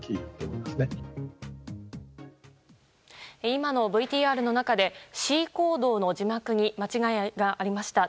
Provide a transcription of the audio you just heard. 今のＶＴＲの中で示威行動の字幕に間違いがありました。